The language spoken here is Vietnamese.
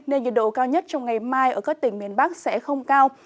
nên nhiệt độ cao nhất trong ngày mai ở các tỉnh miền bắc sẽ không cao